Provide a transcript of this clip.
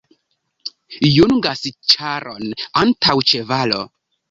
Jungas ĉaron antaŭ ĉevalo.